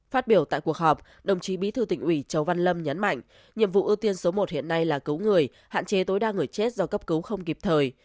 phát biểu tại cuộc họp đồng chí bí thư tỉnh ủy châu văn lâm nhấn mạnh nhiệm vụ ưu tiên số một hiện nay là cứu người hạn chế tối đa người chết do cấp cứu không kịp thời